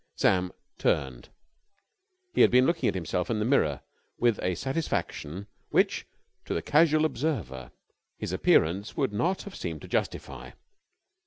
Sam turned. He had been looking at himself in the mirror with a satisfaction which, to the casual observer, his appearance would not have seemed to justify.